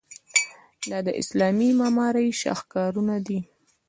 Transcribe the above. دا د اسلامي معمارۍ شاهکارونه دي.